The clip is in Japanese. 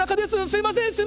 すいません！」。